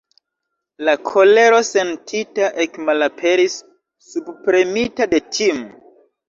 La kolero sentita ekmalaperis, subpremita de tim'.